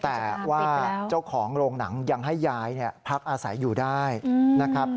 แต่ว่าเจ้าของโรงหนังยังให้ยายพักอาศัยอยู่ได้นะครับ